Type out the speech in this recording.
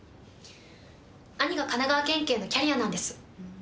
兄が神奈川県警のキャリアなんです。